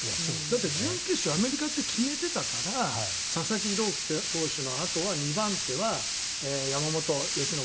だって、準決勝アメリカって決めてたから佐々木朗希投手のあとは２番手は山本由伸